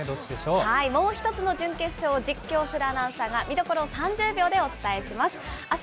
もう１つの準決勝、実況するアナウンサーが、見どころを３０秒でお伝えします。